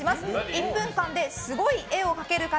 １分間ですごい絵を描ける方